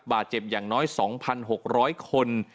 บาดเจ็บอย่างน้อย๒๖๐๐คน